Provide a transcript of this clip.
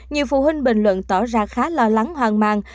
nhiều phụ huynh bình luận tỏ ra khá lo lắng hoang mang